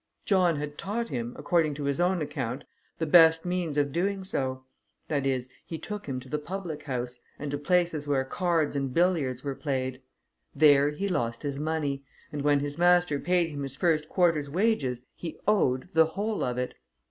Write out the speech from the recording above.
John had taught him, according to his own account, the best means of doing so; that is, he took him to the public house, and to places where cards and billiards were played. There he lost his money, and when his master paid him his first quarter's wages, he owed the whole of it.